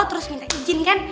terus minta izin kan